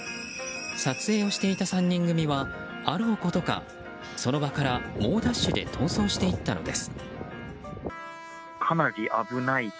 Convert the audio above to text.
撮影をしていた３人組はあろうことかその場から猛ダッシュで逃走していったのです。